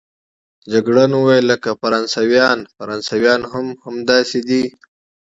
جګړن وویل: لکه فرانسویان، فرانسویان هم همداسې دي.